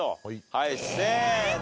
はいせーの。